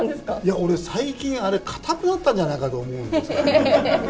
俺、最近あれ、かたくなったんじゃないかと思うんですよ。